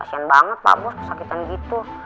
kasian banget pak bos kesakitan gitu